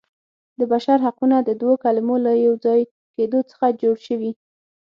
د بشر حقونه د دوو کلمو له یو ځای کیدو څخه جوړ شوي.